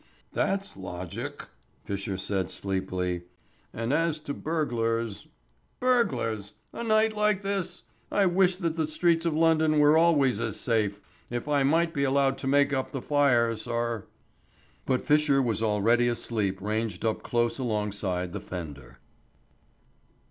"That's logic," Fisher said sleepily. "And as to burglars " "Burglars! A night like this! I wish that the streets of London were always as safe. If I might be allowed to make up the fire, sir " But Fisher was already asleep ranged up close alongside the fender.